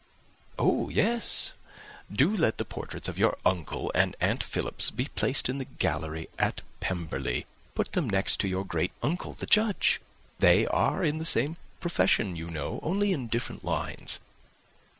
"Oh yes. Do let the portraits of your uncle and aunt Philips be placed in the gallery at Pemberley. Put them next to your great uncle the judge. They are in the same profession, you know, only in different lines.